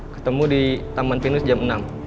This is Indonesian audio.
ketemu di taman pinus jam enam